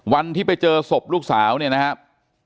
วันที่ไปเจอศพลูกสาวเนี่ยนะครับ